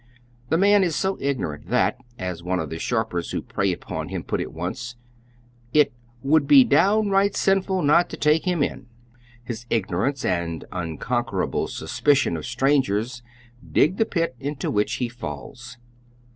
The man is so ignorant tliat, as one of the sharpers who prey upon him put it once, it "would be downright sinful not to take him in." His ignorance and unconquerable suspicion of strangers dig the pit into which he falls.